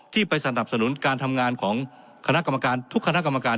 ไปสนับสนุนการทำงานของคณะกรรมการทุกคณะกรรมการ